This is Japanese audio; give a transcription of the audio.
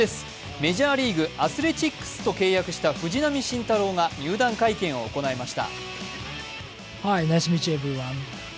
メジャーリーグ・アスレチックスと契約した藤浪晋太郎が入団会見を行いました。